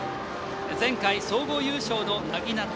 前回、総合優勝のなぎなた